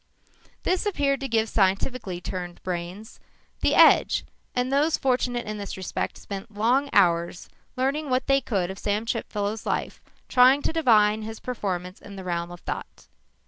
This appeared to give scientifically trained brains the edge and those fortunate in this respect spent long hours learning what they could of Chipfellow's life, trying to divine his performance in the realm of thought.